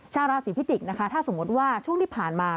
ชาวราศีพิจิกษ์นะคะถ้าสมมติว่าช่วงที่ผ่านมา